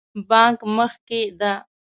بانک مخکې ده